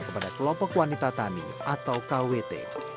kepada kelompok wanita tani atau kwt